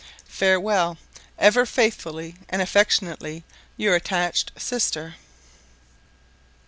Farewell, ever faithfully and affectionately, your attached sister.